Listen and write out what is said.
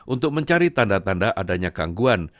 untuk mencari tanda tanda adanya gangguan